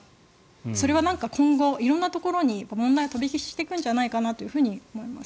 それは今後、色んなところに問題が飛び火していくんじゃないかと思います。